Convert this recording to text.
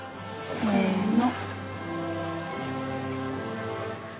せの。